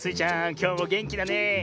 きょうもげんきだねえ。